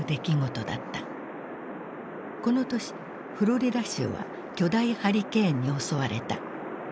この年フロリダ州は巨大ハリケーンに襲われた。